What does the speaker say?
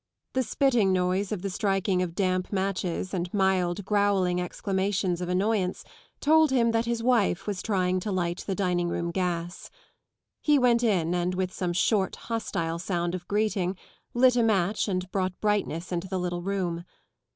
The spitting noise of the striking of damp matches and mild, growling exclamations of annoyance told him that his wife was trying to light the dining room gas. He went in and with some short, hostile sound of greeting lit a match and brought brightness into the little room.